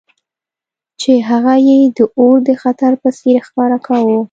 چې هغه یې د اور د خطر په څیر ښکاره کاوه